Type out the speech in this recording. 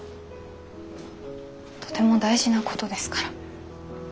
とても大事なことですから。